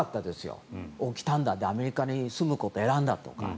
おお、来たんだアメリカの住むことを選んだとか。